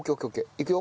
いくよ。